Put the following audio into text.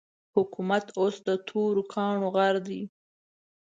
حکومت اوس د تورو کاڼو غر دی.